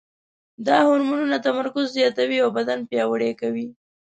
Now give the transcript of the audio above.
دا هورمونونه تمرکز زیاتوي او بدن پیاوړی کوي.